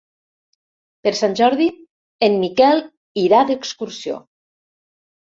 Per Sant Jordi en Miquel irà d'excursió.